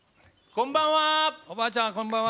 こんばんは。